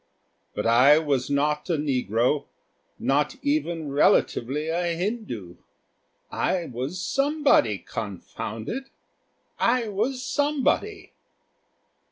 But I was not a negro not even relatively a Hindoo. I was somebody, confound it, I was somebody.